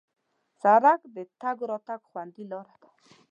سړک د تګ راتګ خوندي لاره ده.